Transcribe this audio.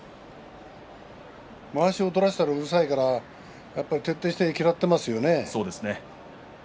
まわしを取らせたらうるさいから徹底的に嫌っていますよね。